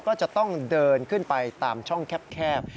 ก็จะต้องเดินขึ้นไปตามช่องแคบ